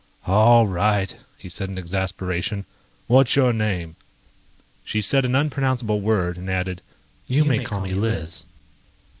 "All right," he said in exasperation. "What's your name?" She said an unpronounceable word and added: "You may call me Liz."